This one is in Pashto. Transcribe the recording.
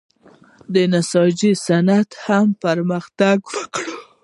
د نساجۍ صنعت هم پرمختګ وکړ.